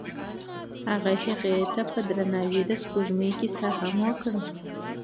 هغه هغې ته په درناوي د سپوږمۍ کیسه هم وکړه.